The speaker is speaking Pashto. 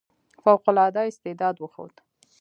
فوق العاده استعداد وښود.